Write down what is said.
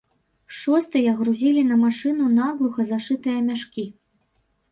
Шостыя грузілі на машыну наглуха зашытыя мяшкі.